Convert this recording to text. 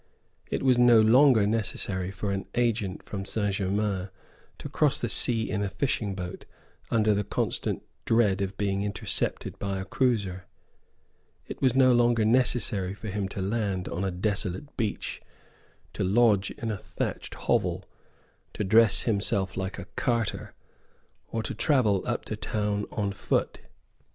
It was no longer necessary for an agent from Saint Germains to cross the sea in a fishing boat, under the constant dread of being intercepted by a cruiser. It was no longer necessary for him to land on a desolate beach, to lodge in a thatched hovel, to dress himself like a carter, or to travel up to town on foot.